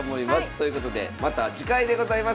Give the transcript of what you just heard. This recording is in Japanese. ということでまた次回でございます。